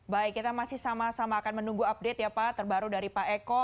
baik kita masih sama sama akan menunggu update ya pak terbaru dari pak eko